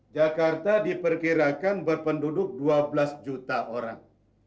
jakarta diperkirakan berpenduduk dua belas juta orang